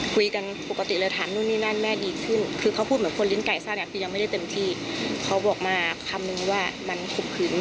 คุยกันปกติเลยถามนู่นนี่แม่แม่ดีขึ้น